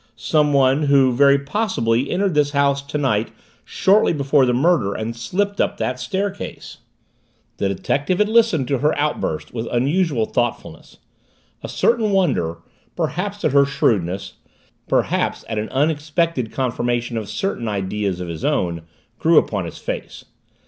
Someone, who very possibly entered this house tonight shortly before the murder and slipped up that staircase!" The detective had listened to her outburst with unusual thoughtfulness. A certain wonder perhaps at her shrewdness, perhaps at an unexpected confirmation of certain ideas of his own grew upon his face.